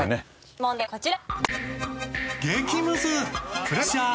問題はこちら。